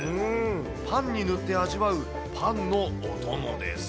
パンに塗って味わうパンのお供です。